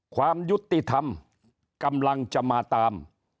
ความยุติธรรมกำลังจะมาตาม